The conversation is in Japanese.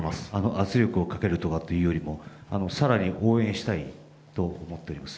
圧力をかけるとかっていうよりも、さらに応援したいと思っております。